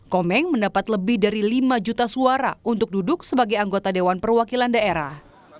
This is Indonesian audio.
komeng mendapat lebih dari lima juta suara untuk duduk sebagai anggota dewan perwakilan daerah